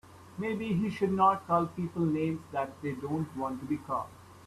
Maybe he should not call people names that they don't want to be called.